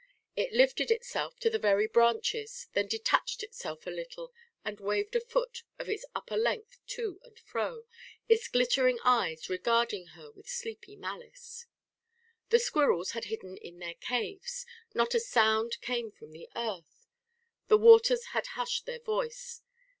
It lifted itself to the very branches, then detached itself a little and waved a foot of its upper length to and fro, its glittering eyes regarding her with sleepy malice. The squirrels had hidden in their caves; not a sound came from the earth; the waters had hushed their voice.